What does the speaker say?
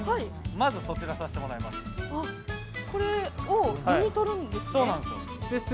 まずそちらをさせてもらいます。